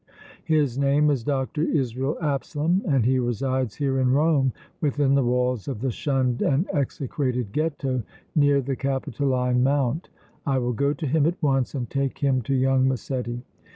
His name is Dr. Israel Absalom and he resides here in Rome, within the walls of the shunned and execrated Ghetto, near the Capitoline Mount. I will go to him at once and take him to young Massetti.